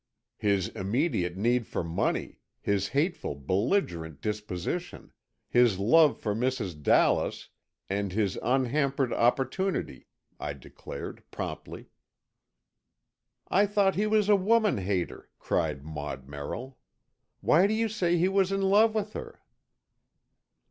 "His immediate need for money, his hateful, belligerent disposition, his love for Mrs. Dallas and his unhampered opportunity," I declared, promptly. "I thought he was a woman hater," cried Maud Merrill. "Why do you say he was in love with her?"